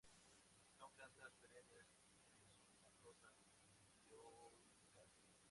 Son plantas perennes rizomatosas, dioicas.